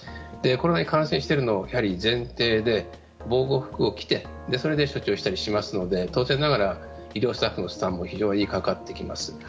コロナに感染しているのをやはり前提で、防護服を着て処置をしたりしますので当然ながら医療スタッフの負担もかかってきます。